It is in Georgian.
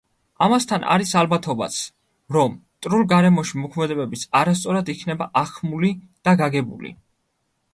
ამასთან არის ალბათობაც, რომ მტრულ გარემოში მოქმედებებიც არასწორად იქნება აღქმული და გაგებული.